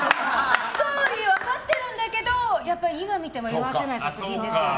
ストーリー分かってるんだけどやっぱり今見ても色あせない作品ですよね。